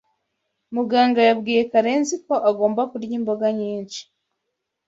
Muganga yabwiye Karenziko agomba kurya imboga nyinshi.